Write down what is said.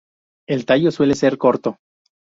El tallo suele ser corto.